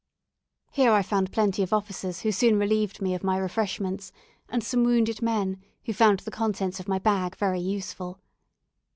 Here I found plenty of officers who soon relieved me of my refreshments, and some wounded men who found the contents of my bag very useful.